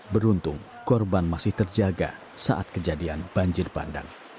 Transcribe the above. beruntung korban masih terjaga saat kejadian banjir bandang